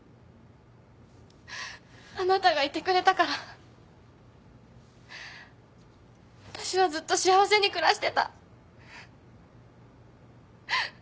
あなたがいてくれたからわたしはずっと幸せに暮らしてた。